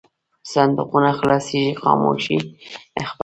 صندوقونه خلاصېږي خاموشي خپره ده.